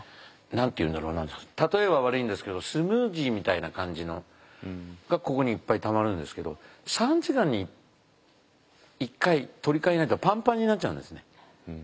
何て言うんだろうな例えは悪いんですけどスムージーみたいな感じのがここにいっぱいたまるんですけど３時間に１回取り替えないとパンパンになっちゃうんですね。